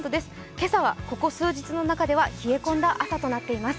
今朝はここ数日の中では冷え込んだ朝となっています。